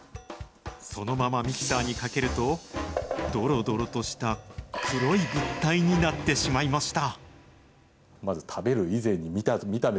そのままミキサーにかけると、どろどろとした黒い物体になってしまいました。